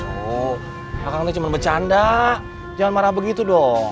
tuh kakaknya cuma bercanda jangan marah begitu dong